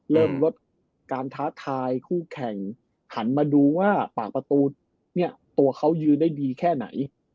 เริ่มลดการท้าทายคู่แข่งหันมาดูว่าปากประตูเนี่ยตัวเขายืนได้ดีแค่ไหน